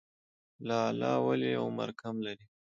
لاله ولې عمر کم لري؟